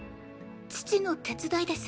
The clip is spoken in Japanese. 父の手伝いです。